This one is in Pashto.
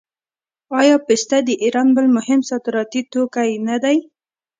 آیا پسته د ایران بل مهم صادراتي توکی نه دی؟